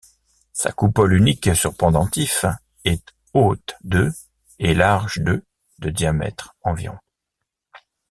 Sa coupole unique sur pendentifs est haute de et large de de diamètre environ.